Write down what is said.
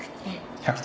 １００点？